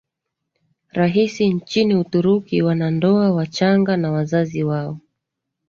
rahisi nchini Uturuki Wanandoa wachanga na wazazi wao